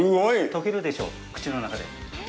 溶けるでしょう、口の中で。